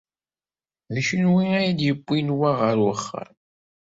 D kenwi ay d-yewwin wa ɣer uxxam?